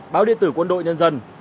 báo điện tử quân đội nhân dân